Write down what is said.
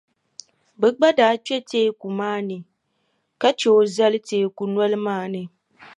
Bɛ gba daa kpe teeku maa ni ka che o zali teeku noli maa ni.